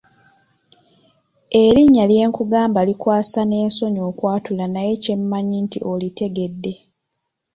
Erinnya lyenkugamba likwasa n'ensonyi okwatula naye kye mmanyi nti olitegedde.